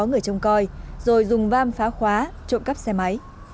các đối tượng có người trông coi rồi dùng vam phá khóa trộm cắp xe máy